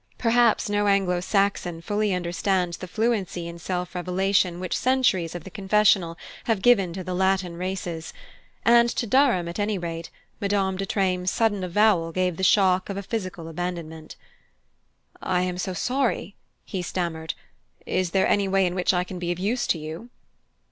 Perhaps no Anglo Saxon fully understands the fluency in self revelation which centuries of the confessional have given to the Latin races, and to Durham, at any rate, Madame de Treymes' sudden avowal gave the shock of a physical abandonment. "I am so sorry," he stammered "is there any way in which I can be of use to you?"